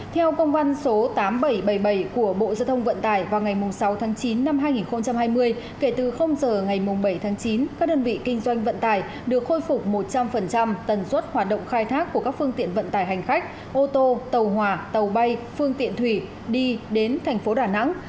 theo công văn số tám nghìn bảy trăm bảy mươi bảy của bộ giao thông vận tải vào ngày sáu tháng chín năm hai nghìn hai mươi kể từ giờ ngày bảy tháng chín các đơn vị kinh doanh vận tải được khôi phục một trăm linh tần suất hoạt động khai thác của các phương tiện vận tải hành khách ô tô tàu hòa tàu bay phương tiện thủy đi đến thành phố đà nẵng